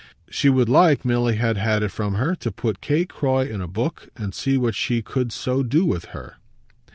She would like Milly had had it from her to put Kate Croy in a book and see what she could so do with her.